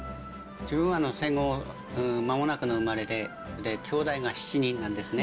自分は戦後まもなくの生まれで、きょうだいが７人なんですね。